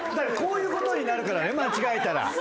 こういうことになるからね間違えたら。